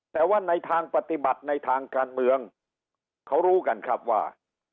แต่ว่าในทางปฏิบัติในทางการเมืองเขารู้กันครับว่า